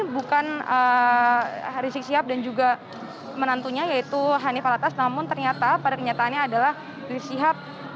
bukan rizik sihab dan juga menantunya yaitu hanif alatas namun ternyata pada kenyataannya adalah rizik sihab